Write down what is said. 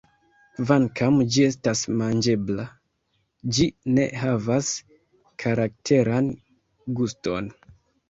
Kvankam ĝi estas manĝebla, ĝi ne havas karakteran guston.